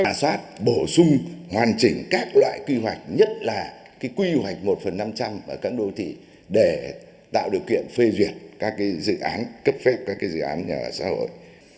chúng tôi đã bảo sát bổ sung hoàn chỉnh các loại quy hoạch nhất là quy hoạch một phần năm trăm linh ở các đô thị để tạo điều kiện phê duyệt các dự án cấp phép các dự án nhà xã hội